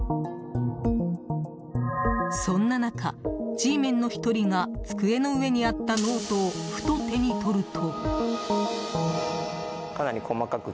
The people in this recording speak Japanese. そんな中、Ｇメンの１人が机の上にあったノートをふと手にとると。